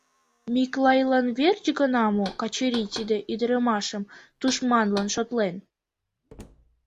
Миклайлан верч гына мо Качырий тиде ӱдрамашым тушманлан шотлен?